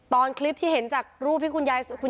ตอนคลิปที่เห็นจากรูปที่ว่าคุณย่าส่งมาให้เนี่ย